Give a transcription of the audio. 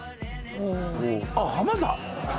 あっ浜田！